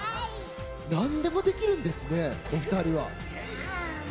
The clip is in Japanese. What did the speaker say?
何でもできるんですね、２人は。